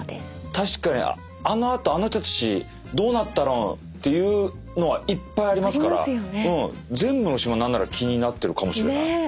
確かにあのあとあの人たちどうなったのっていうのはいっぱいありますから全部の島何なら気になってるかもしれない。